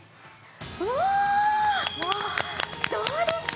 うわー、どうですか。